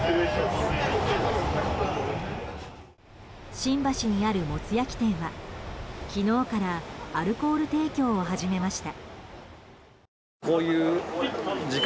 新橋にある、もつ焼き店は昨日からアルコール提供を始めました。